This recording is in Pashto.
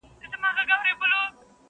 هم له پنده څخه ډکه هم ترخه ده.!